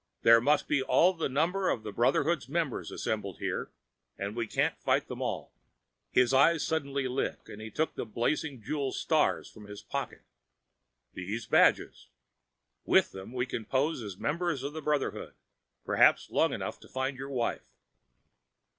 "There must be all the number of the Brotherhood's members assembled here, and we can't fight them all." His eyes suddenly lit and he took the blazing jeweled stars from his pocket. "These badges! With them we can pose as members of the Brotherhood, perhaps long enough to find your wife."